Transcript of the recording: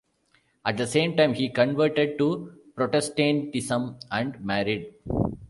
At the same time, he converted to Protestantism and married.